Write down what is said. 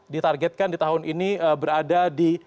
ditargetkan di tahun ini berada di